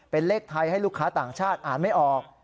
เป็นเลขไทยให้ลูกค้าต่างชาติอ่านไม่ออก